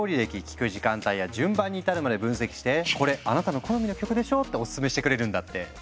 聴く時間帯や順番に至るまで分析して「これあなたの好みの曲でしょ？」ってオススメしてくれるんだって。